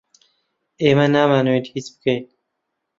ئێمە نامانەوێت هیچ بکەین.